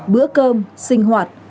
bữa cơm sinh hoạt